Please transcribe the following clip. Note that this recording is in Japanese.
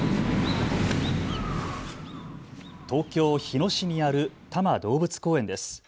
東京日野市にある多摩動物公園です。